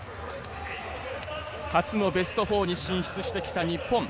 初のベスト４に進出してきた、日本。